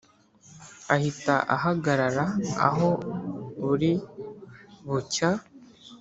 Ahita ahagarara Aho buri bucya